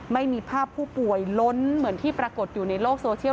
ไม่มีภาพผู้ป่วยล้นเหมือนที่ปรากฏอยู่ในโลกโซเชียล